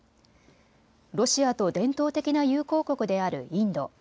ロシアと伝統的な友好国であるインド。